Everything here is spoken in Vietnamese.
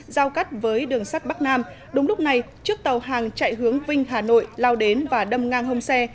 giao cắt với đường sắt bắc nam đúng lúc này chiếc tàu hàng chạy hướng vinh hà nội lao đến và đâm ngang hông xe